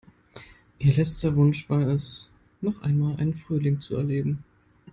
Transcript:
Ihr letzter Wunsch war es, noch einmal einen Frühling zu erleben.